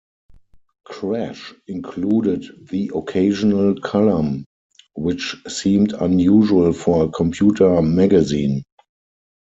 "Crash" included the occasional column which seemed unusual for a computer magazine.